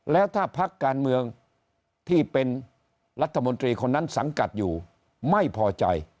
แล้วถ้าพักการเมืองที่เป็นรัฐมนตรีคนนั้นสังกัดอยู่ไม่พอใจ